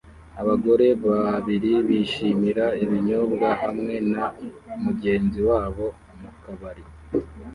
Abagore babiri bishimira ibinyobwa hamwe na mugenzi wabo mukabari